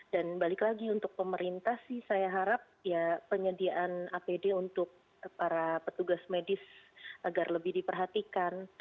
dan balik lagi untuk pemerintah sih saya harap ya penyediaan apd untuk para petugas medis agar lebih diperhatikan